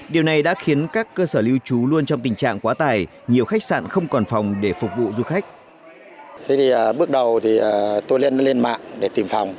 điều này đã khiến các cơ sở lưu trú luôn trong tình trạng quá tải nhiều khách sạn không còn phòng để phục vụ du khách